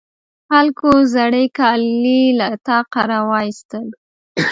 خلکو زاړې کالي له طاقه راواېستل.